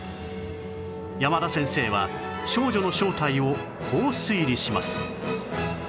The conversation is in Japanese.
山田先生は少女の正体をこう推理します